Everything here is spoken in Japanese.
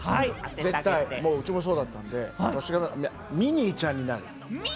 絶対、うちもそうだったんで、ミニーちゃんになる。